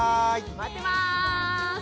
待ってます。